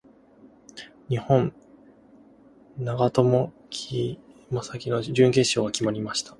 日本・永瀬貴規の準決勝が始まりました。